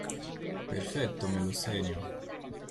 perfetto me lo segno.